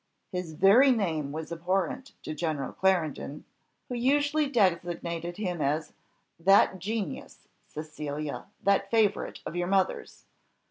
His very name was abhorrent to General Clarendon, who usually designated him as "That Genius, Cecilia that favourite of your mother's!